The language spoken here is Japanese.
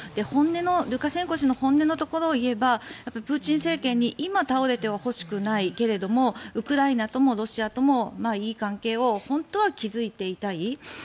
ルカシェンコ氏の本音のところを言えばプーチン政権に今、倒れてほしくないけどウクライナともロシアともいい関係を本当は築いていたい。